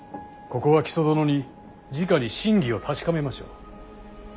ここは木曽殿にじかに真偽を確かめましょう。